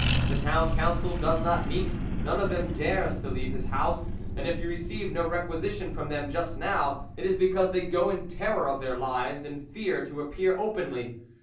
The Town Council does not meet, none of them dares to leave his house; and if you receive no requisition from them just now, it is because they go in terror of their lives and fear to appear openly.